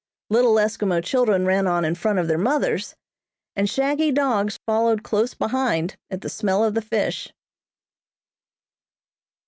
Little Eskimo children ran on in front of their mothers, and shaggy dogs followed close behind at the smell of the fish.